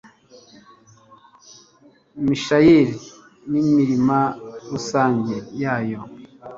misheyali n'imirima rusange yayo